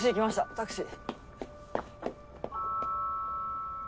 タクシー。